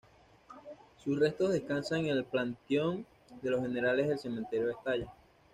Sus restos descansan en el Panteón de los Generales del Cementerio de Estella.